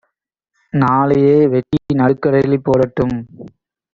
நாளையே வெட்டி நடுக்கடலில் போடட்டும்